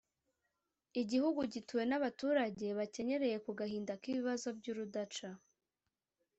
igihugu gituwe n’abaturage bakenyereye ku gahinda k’ibibazo by’urudaca